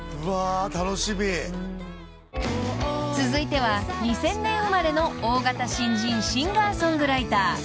［続いては２０００年生まれの大型新人シンガー・ソングライター］